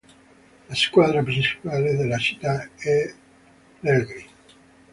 La squadra principale della città è l'Egri.